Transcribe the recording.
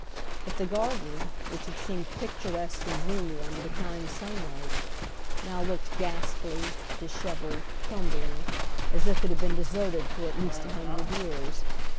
But the garden, which had seemed picturesque and dreamy under the kind sunlight, now looked ghastly, disheveled, crumbling, as if it had been deserted for at least a hundred years.